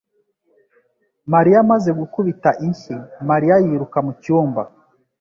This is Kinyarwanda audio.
Mariya amaze gukubita inshyi Mariya yiruka mu cyumba